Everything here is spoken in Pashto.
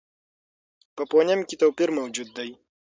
په فونېم کې توپیر موجود دی.